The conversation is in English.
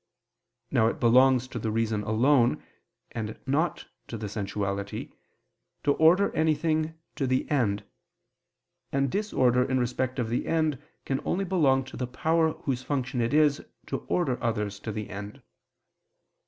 Now it belongs to the reason alone, and not to the sensuality, to order anything to the end: and disorder in respect of the end can only belong to the power whose function it is to order others to the end.